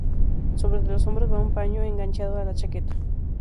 Sobre de los hombros va un paño enganchado a la chaqueta.